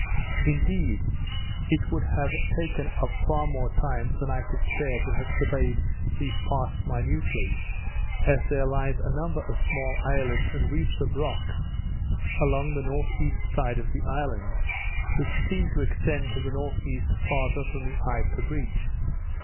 Indeed, it would have taken up far more time than I could spare to have surveyed these parts minutely; as there lies a number of small islets and reefs of rocks along the N.E. side of the island, which seemed to extend to the N.E. farther than the eye could reach.